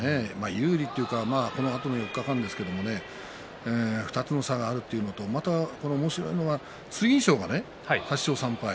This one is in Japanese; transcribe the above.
有利というかこのあとの４日間ですけれども２つの差があるというのとまた、おもしろいのは剣翔が８勝３敗。